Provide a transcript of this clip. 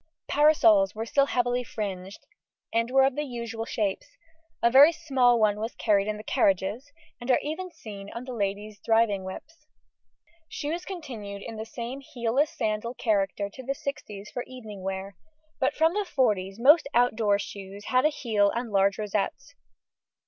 Parasols were still heavily fringed, and were of the usual shapes. A very small one was carried in the carriages, and are even seen on the ladies' driving whips. Shoes continued in the same heelless sandal character to the sixties for evening wear, but from the forties most outdoor shoes had a heel and large rosettes.